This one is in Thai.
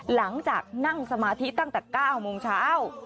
หลังจากนั่งสมาธิตั้งแต่๙โมงเช้า